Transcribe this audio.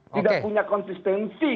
tidak punya konsistensi